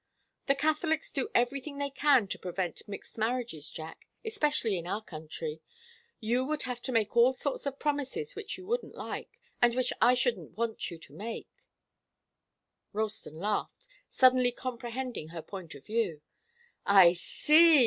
"The Catholics do everything they can to prevent mixed marriages, Jack, especially in our country. You would have to make all sorts of promises which you wouldn't like, and which I shouldn't want you to make " Ralston laughed, suddenly comprehending her point of view. "I see!"